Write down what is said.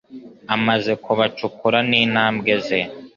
Amaze kubacukura n'intambwe ze